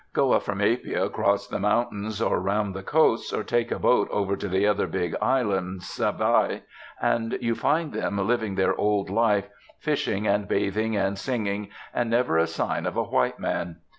Go up from Apia across the mountains, or round the coast, or take a boat over to the other big island, Savaii, and you find them living their old life, fishing and bathing and singing, and never a sign of a white man.